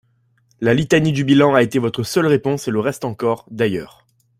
La litanie du bilan a été votre seule réponse et le reste encore, d’ailleurs.